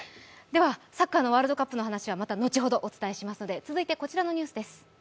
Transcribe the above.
サッカーワールドカップの話はまた後ほどお伝えしますので続いてこちらのニュースです。